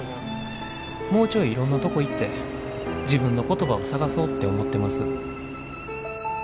もうちょいいろんなとこ行って自分の言葉を探そうって思ってます」。